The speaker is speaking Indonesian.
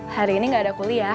hari ini gak ada kuliah